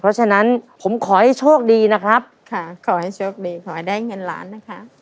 เพราะฉะนั้นผมขอให้โชคดีนะครับค่ะขอให้โชคดีขอให้ได้เงินล้านนะคะ